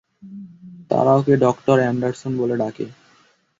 তারা ওকে doctor Anderson বলে ডাকে।